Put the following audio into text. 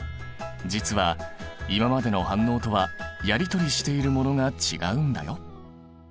実は今までの反応とはやりとりしているものが違うんだよ。